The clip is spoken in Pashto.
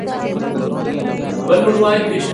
د دوکتورا د رسالې موضوع یې ډېره په زړه پورې ده.